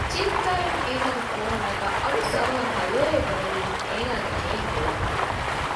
ޖީބުގައި އޮތް އޭނާގެ ފޯނު ނަގައި އަވަސް އަވަހަށް ހަލޯއޭ ބުނެލީ އޭނާގެ ގެއިން ގުޅާތީ